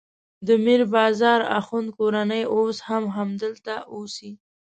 د میر بازار اخوند کورنۍ اوس هم همدلته اوسي.